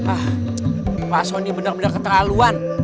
ah pak sony bener bener keterlaluan